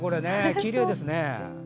きれいですね。